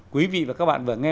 quý vị và các bạn vừa nghe